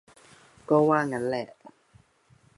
ก็ว่างั้นแหละ